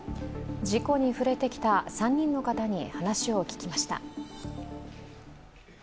事故に触れてきた３人の方に話を聞きました。